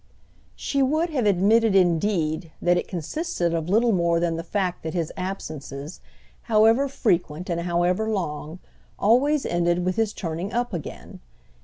She would have admitted indeed that it consisted of little more than the fact that his absences, however frequent and however long, always ended with his turning up again.